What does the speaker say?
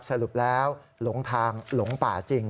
สรุปแล้วหลงทางหลงป่าจริง